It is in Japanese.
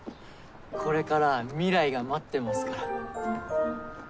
これからは未来が待ってますから。